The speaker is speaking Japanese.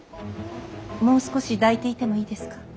もう少し抱いていてもいいですか。